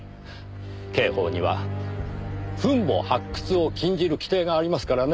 刑法には墳墓発掘を禁じる規定がありますからね。